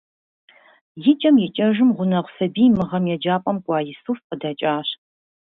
Икӏэм икӏэжым, гъунэгъу сабий - мы гъэм еджапIэм кӏуа Исуф - къыдэкӏащ.